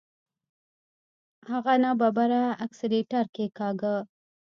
هغه ناببره اکسلېټر کېکاږه.